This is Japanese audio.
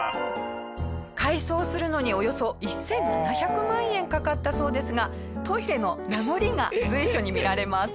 改装するのにおよそ１７００万円かかったそうですがトイレの名残が随所に見られます。